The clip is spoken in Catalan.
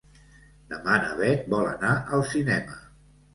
Demà na Bet vol anar al cinema.